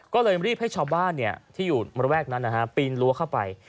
ก็เลยรีบให้ชาวบ้านที่อยู่ระแวกนั้นปีนรั้วเข้าไป